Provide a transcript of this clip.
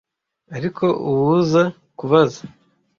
ariko uwuza kubaza